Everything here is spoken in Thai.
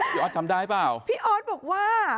พี่ออสจำได้ป่าวพี่ออสบอกว่า